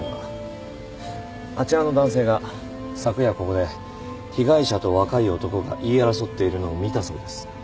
あちらの男性が昨夜ここで被害者と若い男が言い争っているのを見たそうです。